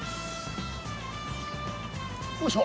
おいしょ。